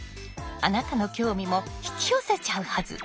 あなたの興味も引き寄せちゃうはず。